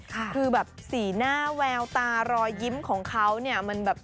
คือแบบสีหน้าแววตารอยยิ้มของเขาเนี่ยมันแบบ